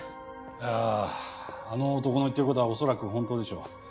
いやああの男の言ってることはおそらく本当でしょう。